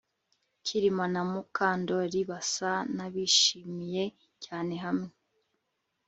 Kirima na Mukandoli basa nabishimye cyane hamwe